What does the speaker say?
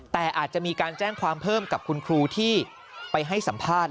แต่อาจจะมีการแจ้งความเพิ่มกับคุณครูที่ไปให้สัมภาษณ์